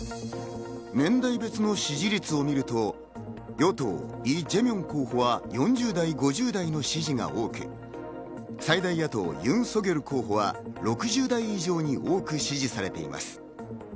年代別の支持率を見ると、与党イ・ジェミョン候補は４０代、５０代の支持が多く、最大野党、ユン・ソギョル候補は６０代以上に多く支持されています。